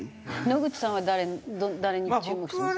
野口さんは誰に注目します？